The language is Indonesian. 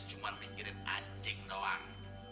cuma mikirin anjing doang